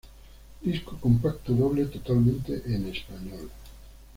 Disco compacto doble totalmente en español.